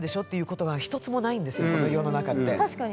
世の中って実は。